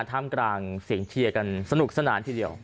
ท่ามกลางเสียงเชียร์กันสนุกสนานทีเดียว